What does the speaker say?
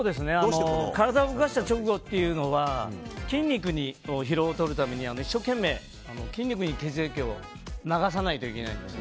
体を動かした直後は筋肉の疲労を取るために一生懸命、筋肉に血液を流さないといけないんです。